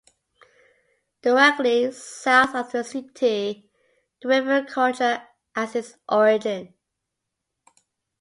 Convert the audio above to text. Directly south of the city the river Kocher has its origin.